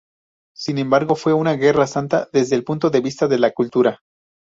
Sin embargo, fue una "guerra santa" desde el punto de vista de La Cultura.